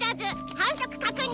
反則確認！